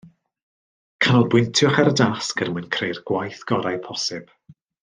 Canolbwyntiwch ar y dasg er mwyn creu'r gwaith gorau posib